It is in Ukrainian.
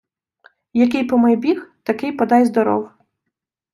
Який «помайбіг», такий «подайздоров».